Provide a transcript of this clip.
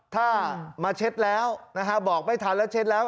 ถ้ามาเช็ดแล้วนะฮะบอกไม่ทันแล้วเช็ดแล้ว